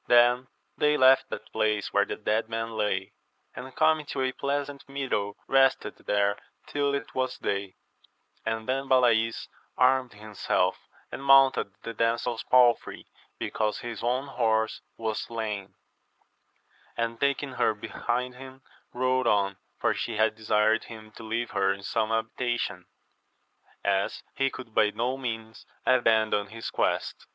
— Then they left that place where the dead men lay, and coming to a pleasant meadow rested there till it was day; and then Balays armed himself, and mounted the damsel's palfrey, because his own horse was slain, and taking her behind him, rode on, for she had desired him to leave her in some habitation, as he could by no means abandon his quest.